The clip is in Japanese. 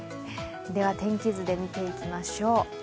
天気図で見ていきましょう。